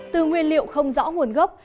từ nguyên liệu không rõ nguồn gốc